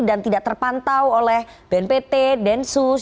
dan tidak terpantau oleh bnpt densus